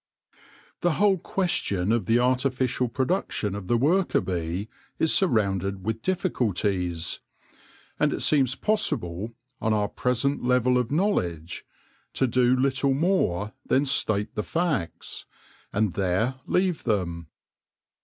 The whole question of the artificial production of the worker bee is surrounded with difficulties ; and it seems possible, on our present level of knowledge, to do little more than state the facts, and there leave them.